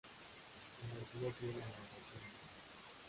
Se mantuvo fiel a la República.